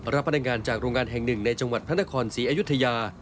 รับพนักงานจากโรงงานแห่งหนึ่งในจังหวัดพระนครศรีอยุธยา